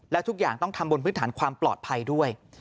แล้วทุกอย่างต้องทำบนพื้นฐานความปลอดภัยด้วย